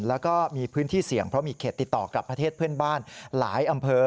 แล้วก็มีพื้นที่เสี่ยงเพราะมีเขตติดต่อกับประเทศเพื่อนบ้านหลายอำเภอ